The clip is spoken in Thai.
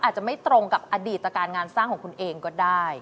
อาจจะไม่ตรงกับอดีตการงานสร้างของคุณเองก็ได้